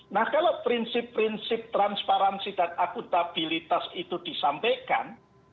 nah kalau prinsip prinsip transparansi dan akuntabilitas itu disampaikan